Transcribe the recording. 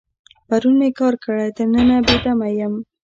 پرون مې کار کړی، تر ننه بې دمه یم.